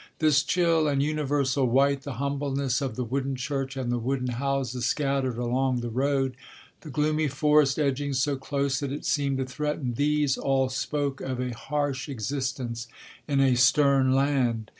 This chill and universal white, the humbleness of the wooden church and the wooden houses scattered along the road, the gloomy forest edging so close that it seemed to threaten, these all spoke of a harsh existence in a stern land.